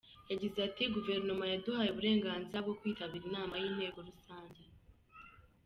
Yagize ati “Guverinoma yaduhaye uburenganzira bwo kwitabira inama y’inteko rusange.